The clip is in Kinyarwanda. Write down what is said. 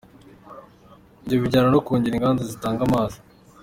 Ibyo bijyana no kongera inganda zitanga amazi.